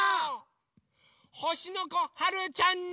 ほしのこはるちゃんに。